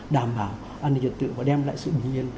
đảm bảo an ninh trật tự và đem lại sự bình yên